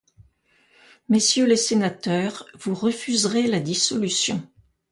Messieurs les sénateurs, vous refuserez la dissolution.